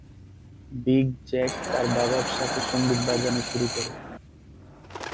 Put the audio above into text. Big Jack তার বাবার সাথে সঙ্গীত বাজানো শুরু করে।